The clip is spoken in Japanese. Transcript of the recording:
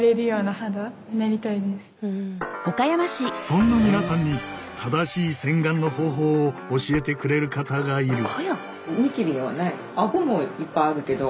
そんな皆さんに正しい洗顔の方法を教えてくれる方がいる。